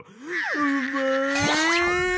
うまい！